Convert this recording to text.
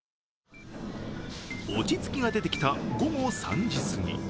落ち着きが出てきた午後３時すぎ。